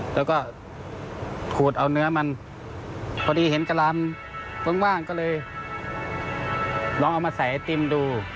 แล้วก็ขูดเอาเนื้อมันพอดีเห็นกะลำว่างก็เลยลองเอามาใส่ไอติมดู